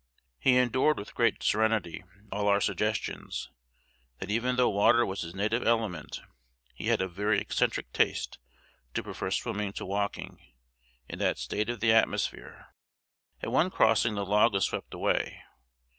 He endured with great serenity all our suggestions, that even though water was his native element, he had a very eccentric taste to prefer swimming to walking, in that state of the atmosphere. At one crossing the log was swept away.